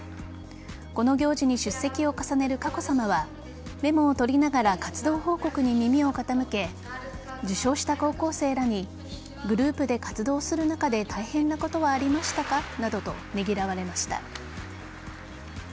この行事に出席を重ねる佳子さまはメモを取りながら活動報告に耳を傾け受賞した高校生らにグループで活動する中で大変なことはありましたかなどとねぎらわれました。